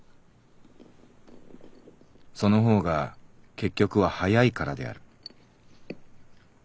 その方が結局は早いからである」。